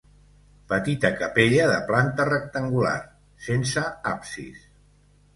Petita capella de planta rectangular, sense absis.